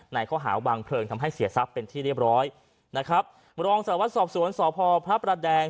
ในข้อหาวางเพลิงทำให้เสียทรัพย์เป็นที่เรียบร้อยนะครับรองสารวัตรสอบสวนสพพระประแดง